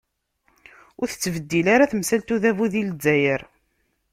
Ur tettbeddil ara temsalt n udabu di Zzayer.